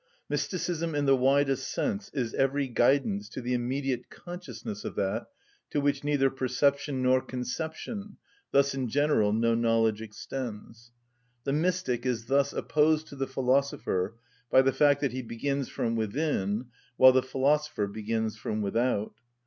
(48) Mysticism in the widest sense is every guidance to the immediate consciousness of that to which neither perception nor conception, thus in general no knowledge extends. The mystic is thus opposed to the philosopher by the fact that he begins from within, while the philosopher begins from without.